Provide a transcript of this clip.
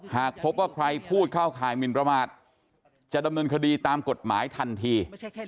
หากพบว่าใครพูดเข้าข่ายหมินประมาทจะดำเนินคดีตามกฎหมายทันที